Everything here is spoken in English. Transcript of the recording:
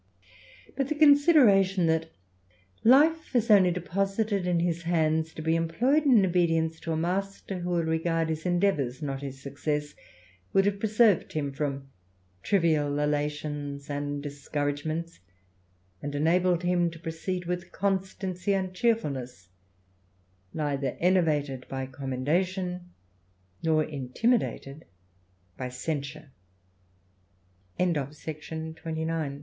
But the consideration that life is only deposited in his hands to be employed in obedience to a Master who will regard his endeavours, not his success, would have preserved him from trivial elations and discouragements, and enabled him to proceed with constancy and cheer fulness, neither enervated by commendation, nor intinU' dated by c